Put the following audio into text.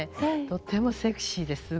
とてもセクシーですばらしい。